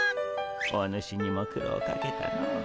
お主にも苦労かけたの。